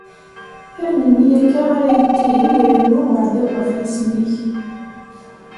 Ar melmi akka ara yettihiy irennu uɛdaw ɣef yisem-ik?